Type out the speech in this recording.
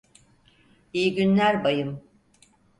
İyi günler bayım.